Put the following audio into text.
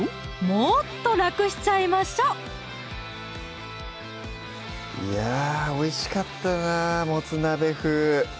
もっとラクしちゃいましょういやおいしかったな「もつ鍋風」